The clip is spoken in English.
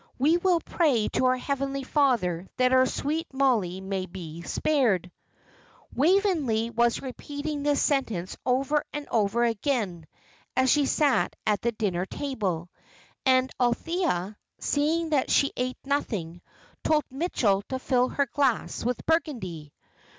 We will pray to our Heavenly Father that our sweet Mollie may be spared." Waveney was repeating this sentence over and over again, as she sat at the dinner table. And Althea, seeing that she ate nothing, told Mitchell to fill her glass with Burgundy.